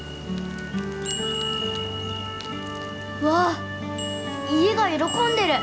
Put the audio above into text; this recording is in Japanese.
わ家が喜んでる！